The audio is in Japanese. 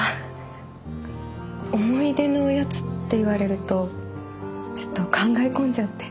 思い出のおやつって言われるとちょっと考え込んじゃって。